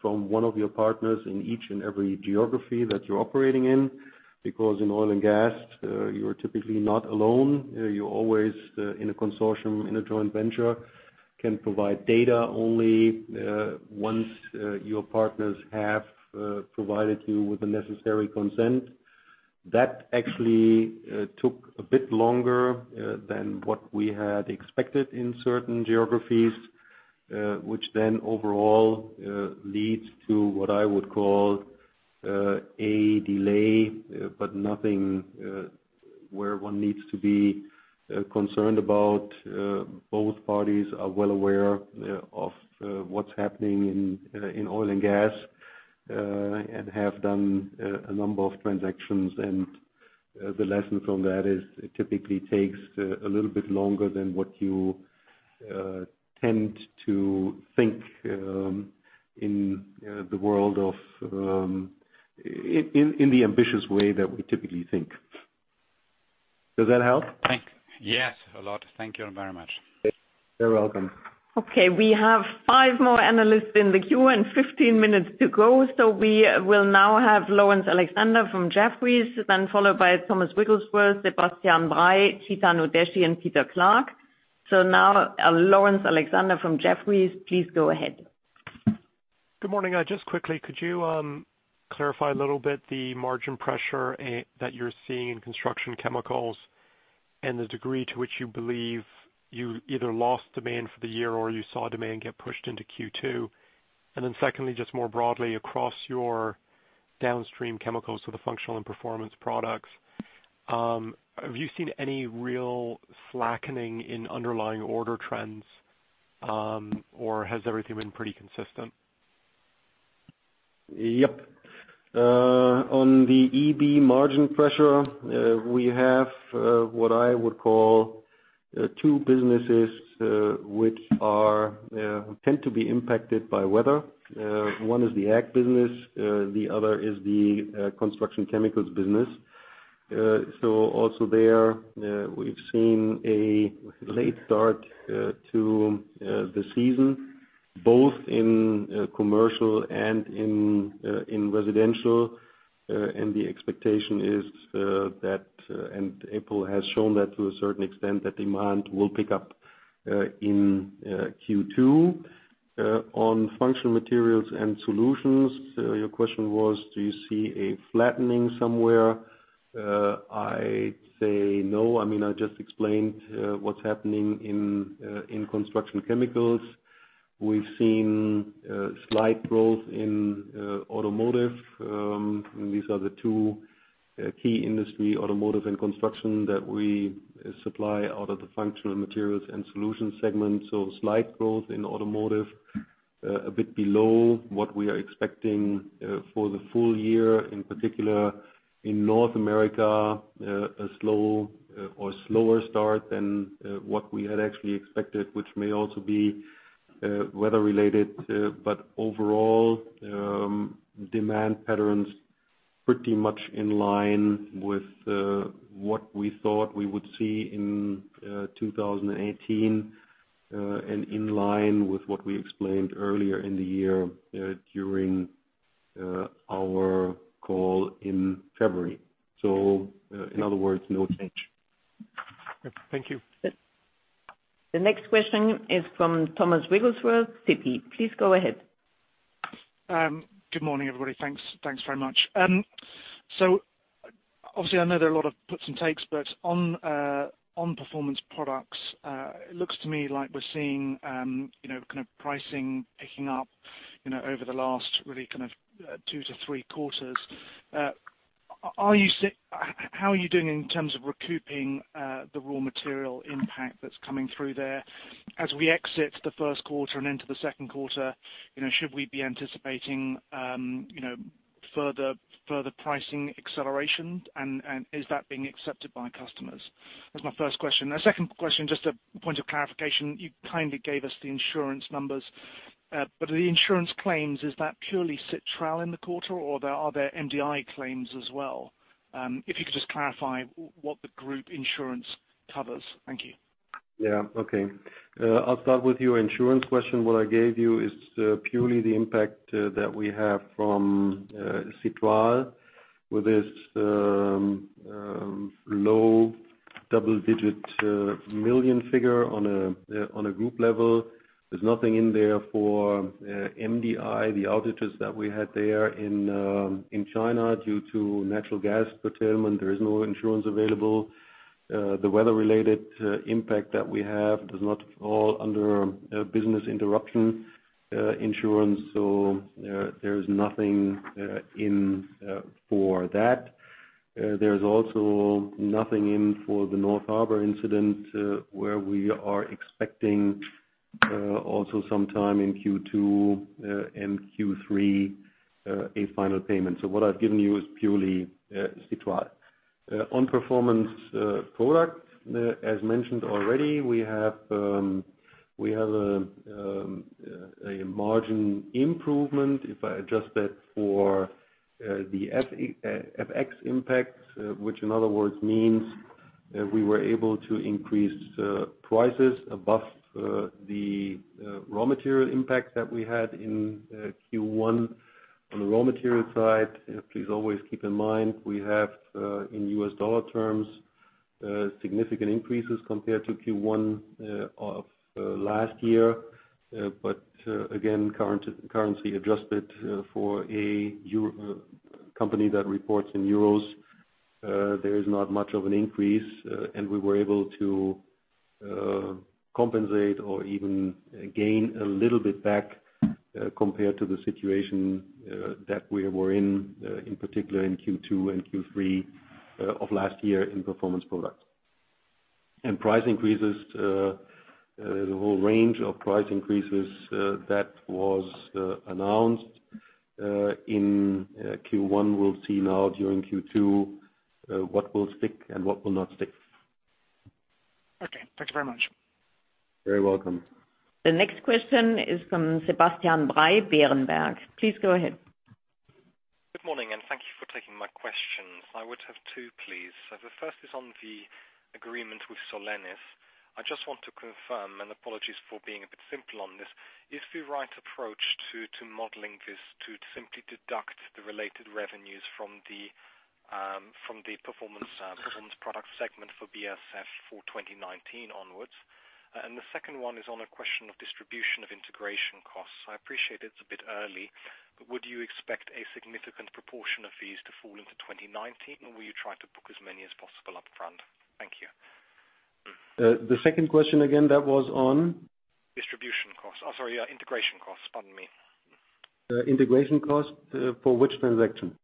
from one of your partners in each and every geography that you're operating in. Because in oil and gas, you're typically not alone. You're always in a consortium, in a joint venture, can provide data only once your partners have provided you with the necessary consent. That actually took a bit longer than what we had expected in certain geographies, which overall leads to what I would call a delay, but nothing where one needs to be concerned about. Both parties are well aware of what's happening in oil and gas, have done a number of transactions, the lesson from that is it typically takes a little bit longer than what you tend to think in the ambitious way that we typically think. Does that help? Thanks. Yes, a lot. Thank you very much. You're welcome. Okay. We have five more analysts in the queue and 15 minutes to go. We will now have Laurence Alexander from Jefferies, then followed by Thomas Wigglesworth, Sebastian Bray, Chetan Udasi, and Peter Clark. Now, Laurence Alexander from Jefferies. Please go ahead. Good morning. Just quickly, could you clarify a little bit the margin pressure that you're seeing in construction chemicals and the degree to which you believe you either lost demand for the year or you saw demand get pushed into Q2? Secondly, just more broadly across your downstream chemicals, so the functional and performance products, have you seen any real slackening in underlying order trends? Has everything been pretty consistent? Yep. On the EBIT margin pressure, we have what I would call two businesses which tend to be impacted by weather. One is the ag business, the other is the construction chemicals business. Also there, we've seen a late start to the season, both in commercial and in residential. The expectation is that, and April has shown that to a certain extent, that demand will pick up in Q2. On Functional Materials and Solutions, your question was, do you see a flattening somewhere? I'd say no. I just explained what's happening in construction chemicals. We've seen slight growth in automotive. These are the two key industry, automotive and construction that we supply out of the Functional Materials and Solutions segment. Slight growth in automotive, a bit below what we are expecting for the full year in particular in North America, a slow or slower start than what we had actually expected, which may also be weather-related. Overall, demand patterns pretty much in line with what we thought we would see in 2018, and in line with what we explained earlier in the year during our call in February. In other words, no change. Thank you. The next question is from Thomas Wigglesworth, Citi. Please go ahead. Good morning, everybody. Thanks very much. Obviously I know there are a lot of puts and takes, but on Performance Products, it looks to me like we're seeing pricing picking up over the last really two to three quarters. How are you doing in terms of recouping the raw material impact that's coming through there? As we exit the first quarter and into the second quarter, should we be anticipating further pricing acceleration? Is that being accepted by customers? That's my first question. My second question, just a point of clarification. You kindly gave us the insurance numbers, but the insurance claims, is that purely citral in the quarter, or are there MDI claims as well? If you could just clarify what the group insurance covers. Thank you. Yeah. Okay. I'll start with your insurance question. What I gave you is purely the impact that we have from citral with this low double-digit million figure on a group level. There's nothing in there for MDI, the outages that we had there in China due to natural gas procurement, there is no insurance available. The weather-related impact that we have does not fall under business interruption insurance. There is nothing in for that. There's also nothing in for the North Harbor incident where we are expecting also sometime in Q2 and Q3 a final payment. What I've given you is purely citral. On Performance Products, as mentioned already, we have a margin improvement. If I adjust that for the FX impact, which in other words means that we were able to increase prices above the raw material impact that we had in Q1. On the raw material side, please always keep in mind, we have, in U.S. dollar terms, significant increases compared to Q1 of last year. Again, currency adjusted for a company that reports in euros, there is not much of an increase. We were able to compensate or even gain a little bit back compared to the situation that we were in particular in Q2 and Q3 of last year in Performance Products. Price increases, the whole range of price increases that was announced in Q1, we'll see now during Q2 what will stick and what will not stick. Okay. Thank you very much. Very welcome. The next question is from Sebastian Bray, Berenberg. Please go ahead. Good morning, and thank you for taking my questions. I would have two, please. The first is on the agreement with Solenis. I just want to confirm, and apologies for being a bit simple on this, is the right approach to modeling this to simply deduct the related revenues from the Performance Products segment for BASF for 2019 onwards? The second one is on a question of distribution of integration costs. I appreciate it's a bit early. Would you expect a significant proportion of these to fall into 2019, or will you try to book as many as possible upfront? Thank you. The second question again, that was on? Distribution costs. Sorry, integration costs. Pardon me. Integration costs for which transaction?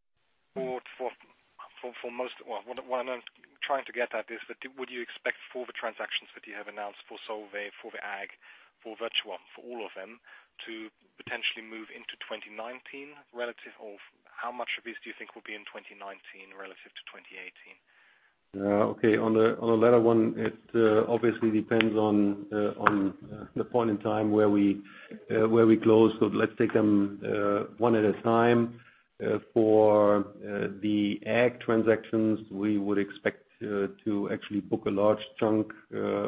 What I'm trying to get at is that would you expect for the transactions that you have announced for Solvay, for the Ag, for Viridis, for all of them to potentially move into 2019, relative of how much of these do you think will be in 2019 relative to 2018? Okay, on the latter one, it obviously depends on the point in time where we close. Let's take them one at a time. For the Ag transactions, we would expect to actually book a large chunk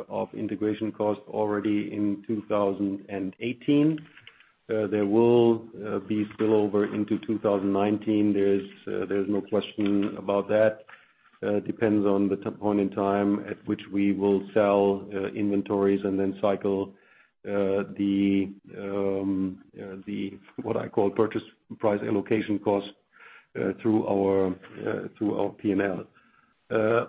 of integration costs already in 2018. There will be spillover into 2019. There's no question about that. Depends on the point in time at which we will sell inventories and then cycle the, what I call purchase price allocation costs through our P&L.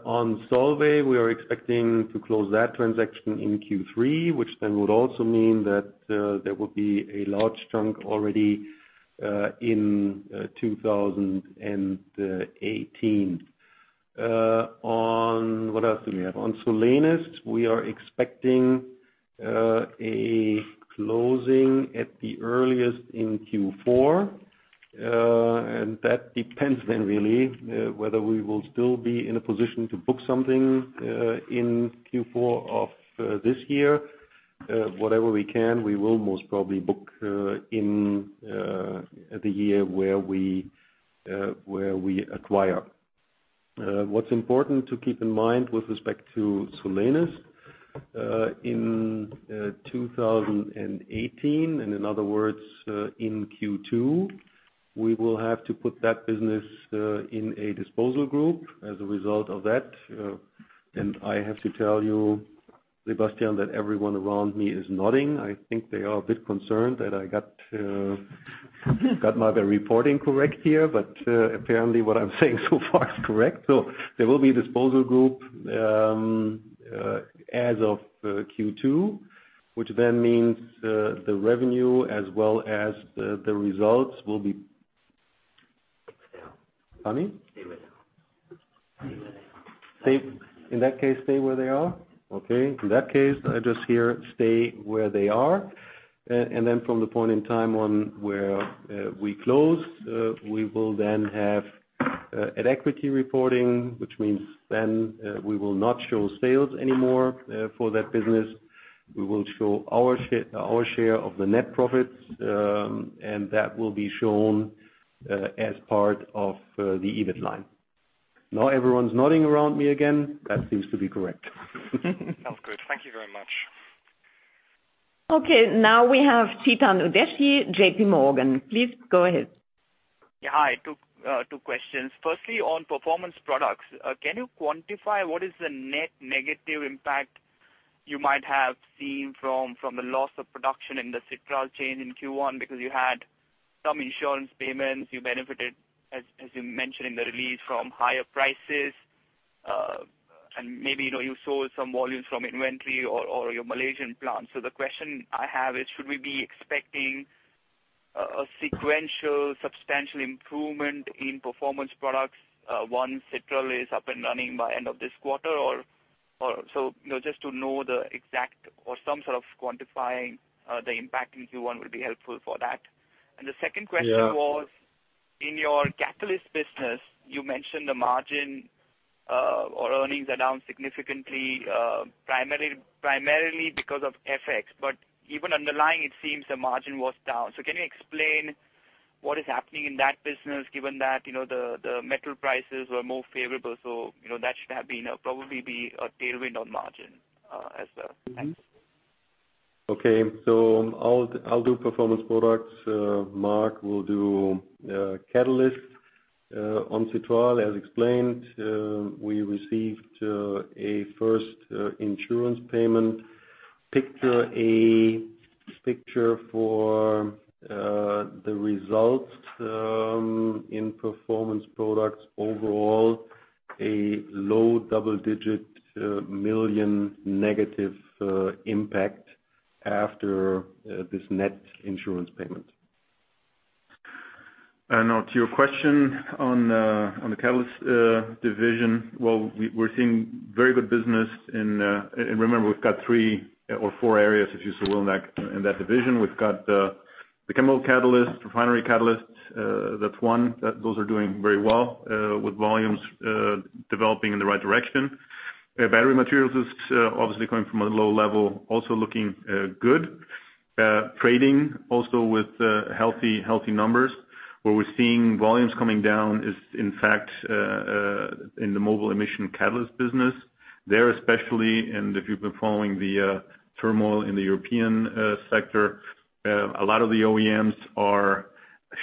On Solvay, we are expecting to close that transaction in Q3, which then would also mean that there will be a large chunk already in 2018. What else do we have? On Solenis, we are expecting a closing at the earliest in Q4. That depends then really whether we will still be in a position to book something in Q4 of this year Whatever we can, we will most probably book in the year where we acquire. What's important to keep in mind with respect to Solenis, in 2018, in other words, in Q2, we will have to put that business in a disposal group as a result of that. I have to tell you, Sebastian, that everyone around me is nodding. I think they are a bit concerned that I got my reporting correct here, but apparently what I'm saying so far is correct. There will be disposal group as of Q2, which then means the revenue as well as the results will be Pardon me? Stay where they are. In that case, stay where they are. Okay. In that case, I just hear stay where they are. Then from the point in time on where we close, we will then have an equity reporting, which means then we will not show sales anymore for that business. We will show our share of the net profits, and that will be shown as part of the EBIT line. Everyone's nodding around me again. That seems to be correct. Sounds good. Thank you very much. Okay. We have Chetan Udasi, JPMorgan. Please go ahead. Yeah. Hi. Two questions. Firstly, on Performance Products, can you quantify what is the net negative impact you might have seen from the loss of production in the citral chain in Q1 because you had some insurance payments, you benefited, as you mentioned in the release, from higher prices. Maybe, you saw some volumes from inventory or your Malaysian plant. The question I have is, should we be expecting a sequential substantial improvement in Performance Products, one, citral is up and running by end of this quarter or-- Just to know the exact or some sort of quantifying the impact in Q1 would be helpful for that. The second question- Yeah was in your catalyst business, you mentioned the margin or earnings are down significantly, primarily because of FX, even underlying, it seems the margin was down. Can you explain what is happening in that business given that the metal prices were more favorable, that should probably be a tailwind on margin as well? Thanks. Okay. I'll do Performance Products. Marc will do catalyst. On citral, as explained, we received a first insurance payment. Picture for the results in Performance Products overall, a low EUR double-digit million negative impact after this net insurance payment. Now to your question on the catalyst division. Well, we're seeing very good business. Remember, we've got three or four areas, if you so will, in that division. We've got the chemical catalyst, refinery catalyst, that's one. Those are doing very well with volumes developing in the right direction. Battery materials is obviously coming from a low level, also looking good. Trading also with healthy numbers. Where we're seeing volumes coming down is in fact in the mobile emission catalyst business. There especially, if you've been following the turmoil in the European sector, a lot of the OEMs are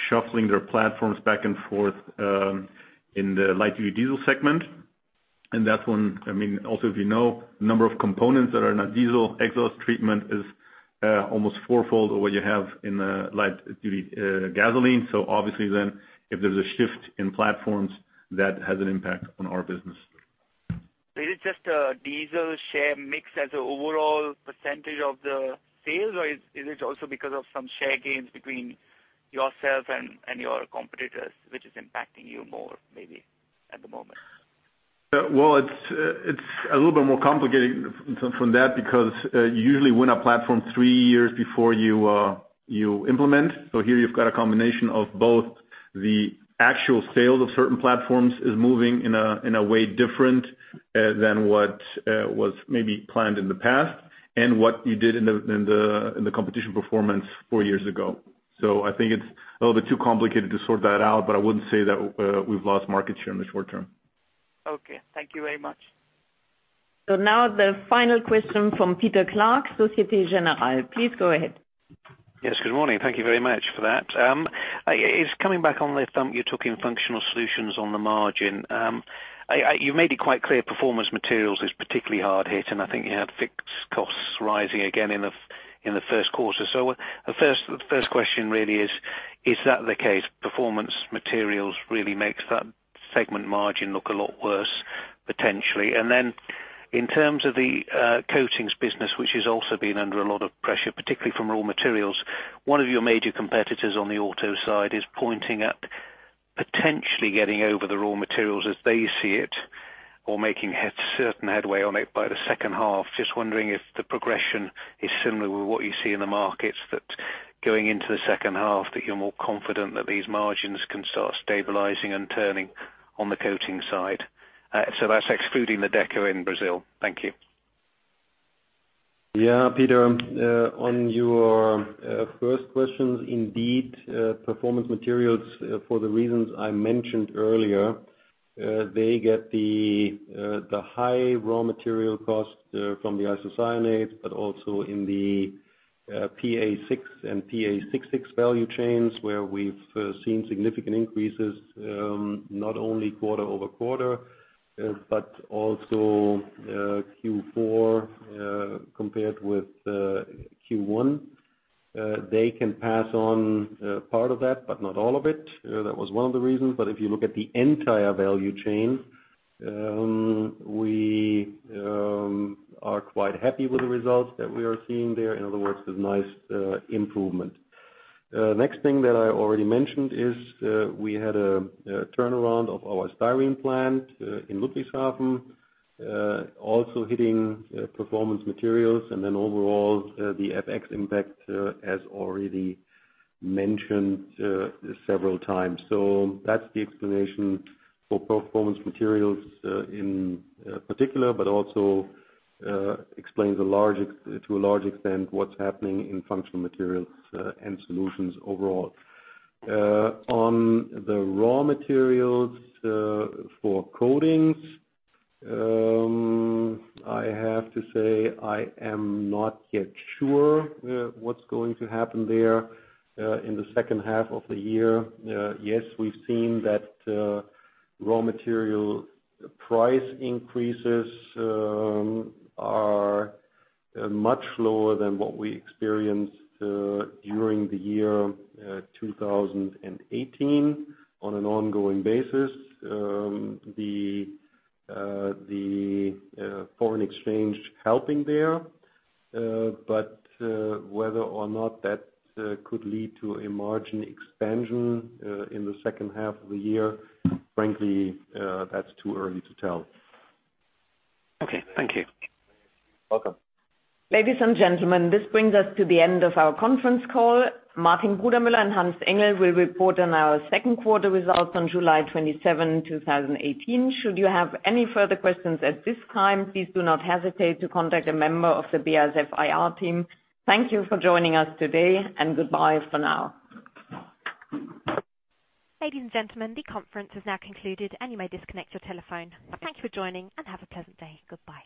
shuffling their platforms back and forth in the light-duty diesel segment. Also, if you know, the number of components that are in a diesel exhaust treatment is almost fourfold of what you have in a light-duty gasoline. Obviously if there's a shift in platforms, that has an impact on our business. Is it just a diesel share mix as an overall percentage of the sales, or is it also because of some share gains between yourself and your competitors, which is impacting you more maybe at the moment? Well, it's a little bit more complicated from that because you usually win a platform three years before you implement. Here you've got a combination of both the actual sales of certain platforms is moving in a way different than what was maybe planned in the past and what you did in the competition performance four years ago. I think it's a little bit too complicated to sort that out, but I wouldn't say that we've lost market share in the short term. Okay. Thank you very much. Now the final question from Peter Clark, Societe Generale. Please go ahead. Yes, good morning. Thank you very much for that. It's coming back on the thump you took in Functional Solutions on the margin. You made it quite clear Performance Materials is particularly hard hit, and I think you had fixed costs rising again in the first quarter. The first question really is that the case, Performance Materials really makes that segment margin look a lot worse potentially? In terms of the coatings business, which has also been under a lot of pressure, particularly from raw materials, one of your major competitors on the auto side is pointing at potentially getting over the raw materials as they see it or making certain headway on it by the second half. Just wondering if the progression is similar with what you see in the markets that going into the second half, that you're more confident that these margins can start stabilizing and turning on the coating side. That's excluding the deco in Brazil. Thank you. Peter, on your first questions, indeed, Performance Materials, for the reasons I mentioned earlier, they get the high raw material cost from the isocyanate, but also in the PA6 and PA66 value chains where we've seen significant increases not only quarter-over-quarter but also Q4 compared with Q1. They can pass on part of that, but not all of it. That was one of the reasons. If you look at the entire value chain, we are quite happy with the results that we are seeing there. In other words, there's nice improvement. Next thing that I already mentioned is we had a turnaround of our styrene plant in Ludwigshafen also hitting Performance Materials, overall the FX impact as already mentioned several times. That's the explanation for Performance Materials in particular, but also explains to a large extent what's happening in Functional Materials and Solutions overall. On the raw materials for coatings, I have to say I am not yet sure what's going to happen there in the second half of the year. Yes, we've seen that raw material price increases are much lower than what we experienced during the year 2018 on an ongoing basis. The foreign exchange helping there. Whether or not that could lead to a margin expansion in the second half of the year, frankly, that's too early to tell. Okay. Thank you. Welcome. Ladies and gentlemen, this brings us to the end of our conference call. Martin Brudermüller and Hans-Ulrich Engel will report on our second quarter results on July 27, 2018. Should you have any further questions at this time, please do not hesitate to contact a member of the BASF IR team. Thank you for joining us today, and goodbye for now. Ladies and gentlemen, the conference has now concluded, and you may disconnect your telephone. Thank you for joining, and have a pleasant day. Goodbye.